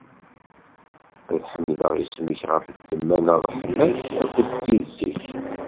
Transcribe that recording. Ad ḥemdeɣ isem-ik ɣef ddemma n ṛṛeḥma-k akked tidet-ik.